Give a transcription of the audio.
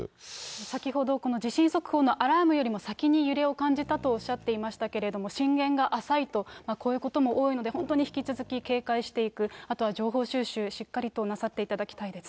先ほどこの地震速報のアラームよりも先に揺れを感じたとおっしゃっていましたけれども、震源が浅いと、こういうことも多いので、本当に引き続き警戒していただく、あとは情報収集、しっかりとなさっていただきたいです。